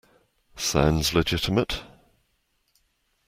Sounds legitimate.